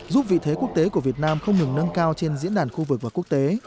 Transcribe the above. giúp vị thế quốc tế của việt nam không ngừng nâng cao trên diễn đàn khu vực và quốc tế